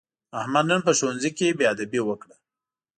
احمد نن په ښوونځي کې بېادبي وکړه.